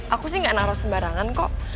aku sih gak naruh sembarangan kok